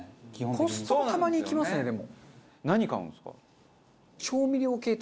コストコたまに行きますねでも。